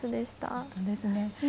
本当ですね。